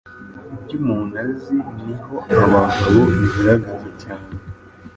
ibyo umuntu azi, ni ho abagabo bigaragaza cyane.